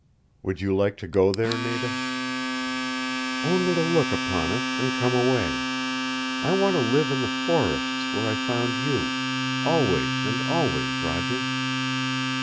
"Would you like to go there, Nada?" "Only to look upon it, and come away. I want to live in the forests, where I found you. Always and always, Roger."